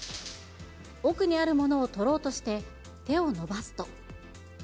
奥にあるものを取ろうとして、手を伸ばすと。